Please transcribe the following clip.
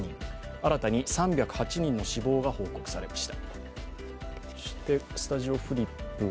新たに３０８人の死亡が報告されました。